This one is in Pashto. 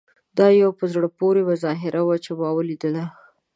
دا یوه په زړه پورې مظاهره وه چې ما ولیدله.